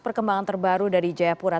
perkembangan terbaru dari jayapura